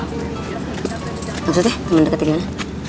maksudnya temen deket yang mana